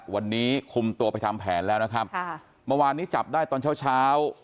วันนี้คุมตัวไปทำแผนแล้วนะครับค่ะเมื่อวานนี้จับได้ตอนเช้าเช้า